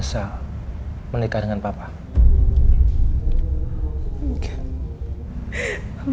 di saat mama dulu mencintai papa yang bukan siapa siapa